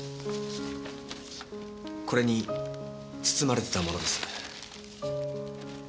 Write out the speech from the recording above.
これに包まれていたものです。